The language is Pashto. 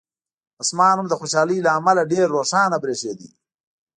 اسمان هم د خوشالۍ له امله ډېر روښانه برېښېده.